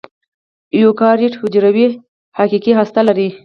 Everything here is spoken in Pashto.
ایوکاریوت حجرې حقیقي هسته لري.